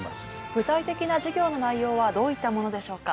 具体的な授業の内容はどういったものでしょうか？